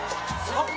あっ！